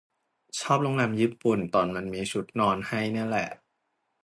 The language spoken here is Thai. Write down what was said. ชอบโรงแรมญี่ปุ่นตอนมันมีชุดนอนให้เนี่ยแหละ